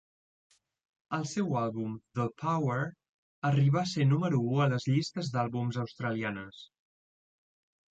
El seu àlbum "The Power" arribà a ser número u a les llistes d'àlbums australianes.